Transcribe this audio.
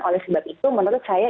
oleh sebab itu menurut saya